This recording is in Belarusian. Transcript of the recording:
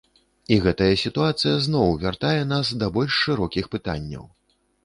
І гэтая сітуацыя зноў вяртае нас да больш шырокіх пытанняў.